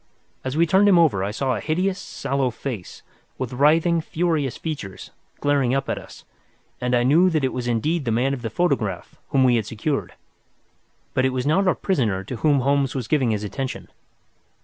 As we turned him over I saw a hideous, sallow face, with writhing, furious features, glaring up at us, and I knew that it was indeed the man of the photograph whom we had secured. But it was not our prisoner to whom Holmes was giving his attention.